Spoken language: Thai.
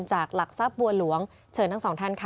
จากหลักทรัพย์บัวหลวงเชิญทั้งสองท่านค่ะ